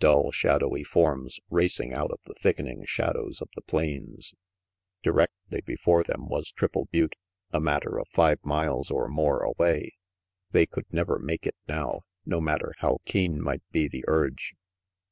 Dull, shadowy forms, racing out of the thickening shadows of the plains. RANGY PETE 143 Directly before them was Triple Butte, a matter of five miles or more away. They could never make it now, no matter how keen might be the urge.